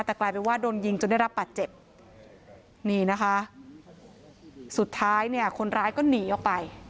แต่กลายเป็นว่าโดนยิงจนได้รับบาดเจ็บนี่นะคะสุดท้ายเนี่ยคนร้ายก็หนีออกไป